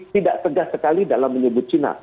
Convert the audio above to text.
tidak tegas sekali dalam menyebut cina